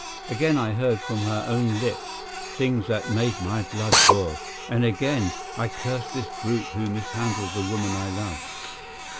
Again I heard from her own lips things that made my blood boil, and again I cursed this brute who mishandled the woman I loved.